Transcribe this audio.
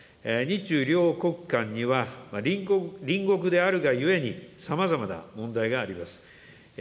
日中両国間には、隣国であるがゆえにさまざまな問題があります。